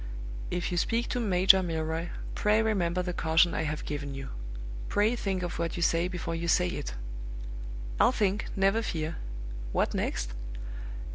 "If you speak to Major Milroy, pray remember the caution I have given you! Pray think of what you say before you say it!" "I'll think, never fear! What next?"